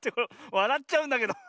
わらっちゃうんだけど。